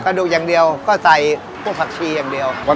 กระดูกอย่างเดียวก็ใส่ผู้ผักชีอย่างเดียว